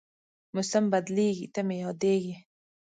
موسم بدلېږي، ته مې یادېږې